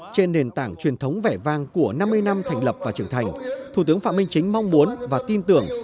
trên nền tảng truyền thống vẻ vang của năm mươi năm thành lập và trưởng thành thủ tướng phạm minh chính mong muốn và tin tưởng